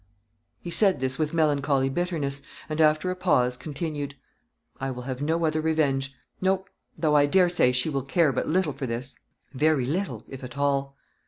He said this with melancholy bitterness; and, after a pause, continued: "I will have no other revenge. No; though, I dare say, she will care but little for this; very little, if at all."